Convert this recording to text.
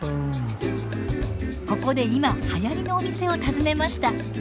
ここで今はやりのお店を訪ねました。